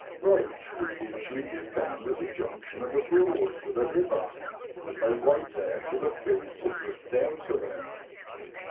Roach will usually be found at the junction of a THE FISH OF THE BROADS. 283 Broad with a river, as they wait there for the food to drift down to them.